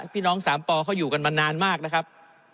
พี่น้องสามปเขาอยู่กันมานานมากนะครับ